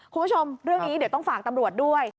คุณผู้ชมเรื่องนี้เดี๋ยวต้องฝากตำรวจด้วย